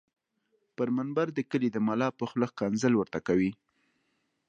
پر منبر د کلي دملا په خوله ښکنځل ورته کوي